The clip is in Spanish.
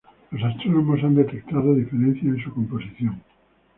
Los astrónomos han detectado diferencias en su composición.